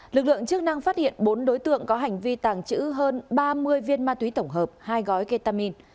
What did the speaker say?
lực lượng chức năng phát hiện bốn đối tượng có hành vi tàng trữ hơn ba mươi viên ma túy tổng hợp hai gói ketamin